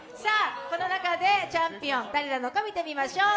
この中でチャンピオン誰なのか見ていきましょう。